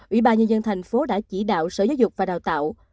ủy ban nhân dân thành phố đã chỉ đạo sở giáo dục và đào tạo